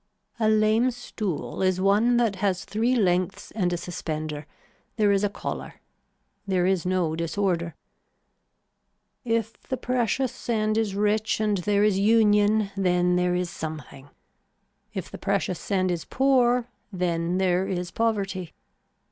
A lame stool is one that has three lengths and a suspender, there is a collar. There is no disorder. If the precious sand is rich and there is union then there is something. If the precious sand is poor then there is poverty.